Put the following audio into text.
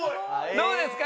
どうですか？